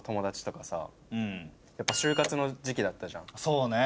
そうね